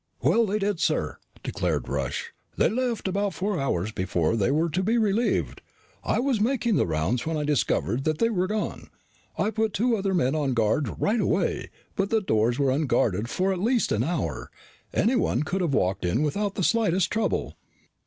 "Well, they did, sir," declared Rush. "They left about four hours before they were to be relieved. I was making the rounds when I discovered that they were gone. I put two other men on guard right away, but the doors were unguarded for at least an hour. Anyone could have walked in without the slightest trouble."